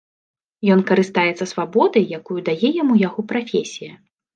Ён карыстаецца свабодай, якую дае яму яго прафесія.